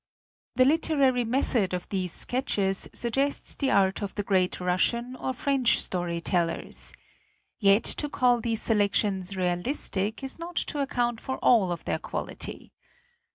The literary method of these sketches suggests the art of the great Russian or French story tellers. Yet to call these selections realistic is not to ac count for all of their quality.